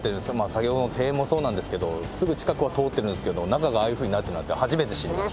先ほどの庭園もそうなんですけどすぐ近くは通ってるんですけど中がああいうふうになってるなんて初めて知りました。